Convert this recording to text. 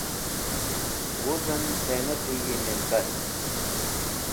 Wuzem Senate yi Member